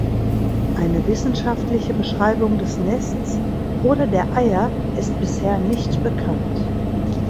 Eine wissenschaftliche Beschreibung des Nests oder der Eier ist bisher nicht bekannt.